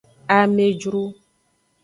Amejru.